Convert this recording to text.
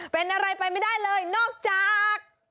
เป็นอะไรไปไม่ได้เลยนอกจาก